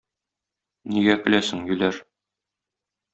Нигә көләсең, юләр!